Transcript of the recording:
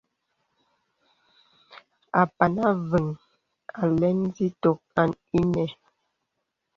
Apàn Avə̄ŋ alɛ̄n zitok inə̀.